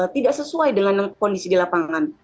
tidak sesuai dengan kondisi di lapangan